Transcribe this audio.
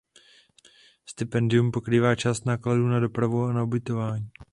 Stipendium pokrývá část nákladů na dopravu a na ubytování.